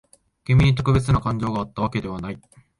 君に特別な感情があったわけではない。